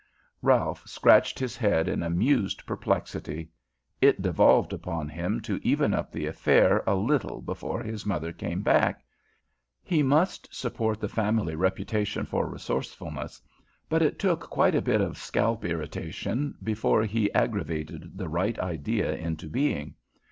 Ralph scratched his head in amused perplexity. It devolved upon him to even up the affair a little before his mother came back. He must support the family reputation for resourcefulness, but it took quite a bit of scalp irritation before he aggravated the right idea into being.